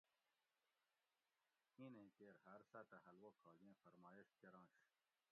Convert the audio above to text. اینیں کیر ہاۤر ساۤتہ حلوہ کھاگیں فرمایش کرنش